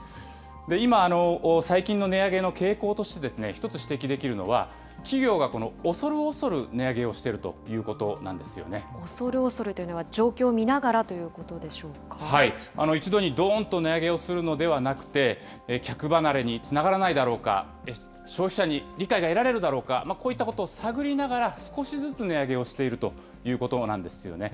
今、最近の値上げの傾向として１つ指摘できるのは、企業がこの恐る恐る値上げをしているというこ恐る恐るというのは、状況を一度にどーんと値上げをするのではなくて、客離れにつながらないだろうか、消費者に理解が得られるだろうか、こういったことを探りながら、少しずつ値上げをしているということなんですよね。